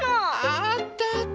ああったあった！